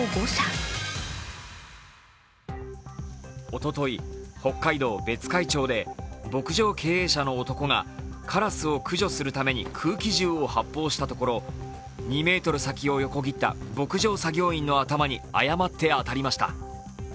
おととい、北海道別海町で牧場経営者の男がカラスを駆除するために空気銃を発砲したところ、２ｍ先を横切った牧場作業員の頭に誤って当たりました。